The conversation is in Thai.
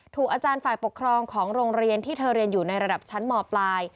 อาจารย์ฝ่ายปกครองของโรงเรียนที่เธอเรียนอยู่ในระดับชั้นมปลาย